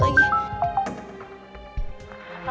aduh riri lagi